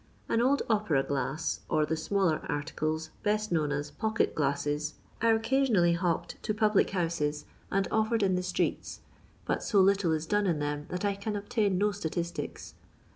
An old opera glass, or the smaller articles best known as " pocket^lasses," are occasionally hawked to public houses and offered in the straatt, but so little is done in thera that I can obtain no statistics.